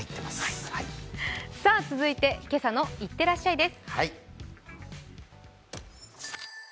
続いて、「今朝のいってらっしゃい」です。